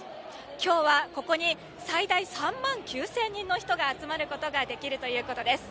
今日は、ここに最大３万９０００人の人が集まることができるということです。